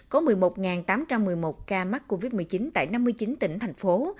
có một mươi một tám trăm một mươi một ca mắc covid một mươi chín tại năm mươi chín tỉnh thành phố